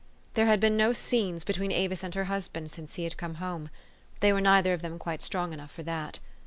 There had been no " scenes " between Avis and her husband since he had come home. They were neither of them quite strong enough for that.